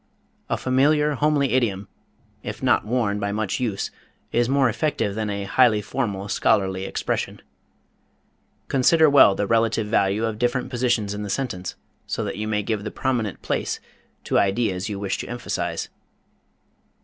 A familiar, homely idiom, if not worn by much use, is more effective than a highly formal, scholarly expression. Consider well the relative value of different positions in the sentence so that you may give the prominent place to ideas you wish to emphasize.